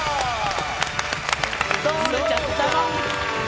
とれちゃったもん！